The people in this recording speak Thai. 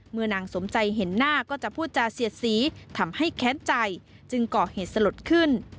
นางสมใจเห็นหน้าก็จะพูดจาเสียดสีทำให้แค้นใจจึงก่อเหตุสลดขึ้น